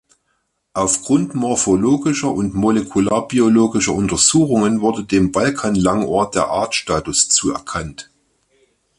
Aufgrund morphologischer und molekularbiologischer Untersuchungen wurde dem Balkan-Langohr der Artstatus zuerkannt.